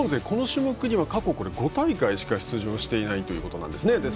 この種目には過去５大会しか出場していないということなんですね。